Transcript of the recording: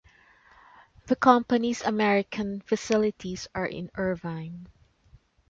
The company's American facilities are in Irvine.